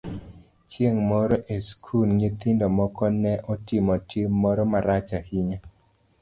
Chieng' moro e skul, nyithindo moko ne otimo tim moro marach ahinya.